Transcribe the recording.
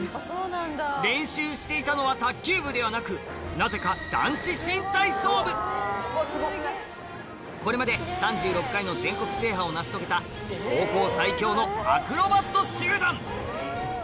練習していたのは卓球部ではなくなぜかこれまでを成し遂げた高校最強のアクロバット集団